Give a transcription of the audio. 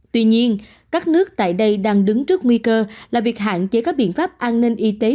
tuy nhiên các nước tại đây đang đứng trước nguy cơ là việc hạn chế các biện pháp an ninh y tế